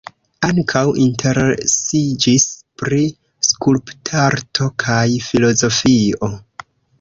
Ankaŭ interesiĝis pri skulptarto kaj filozofio.